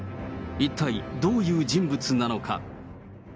一体どういう人物なのか。